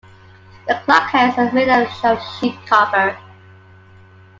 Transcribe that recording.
The clock hands are made out of sheet copper.